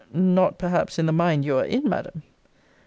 Not, perhaps, in the mind you are in, Madam.